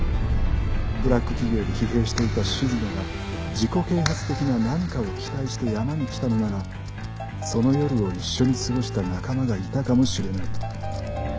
ブラック企業で疲弊していた静野が自己啓発的な何かを期待して山に来たのならその夜を一緒に過ごした仲間がいたかもしれない